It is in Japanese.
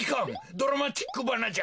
ドラマチックばなじゃ！